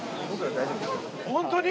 本当に？